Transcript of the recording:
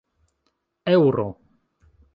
eŭro